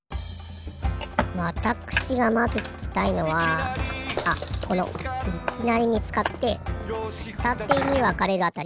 わたくしがまずききたいのはあこのいきなりみつかってふたてにわかれるあたり。